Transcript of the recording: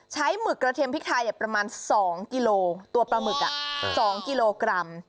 หมึกกระเทียมพริกไทยประมาณ๒กิโลตัวปลาหมึก๒กิโลกรัม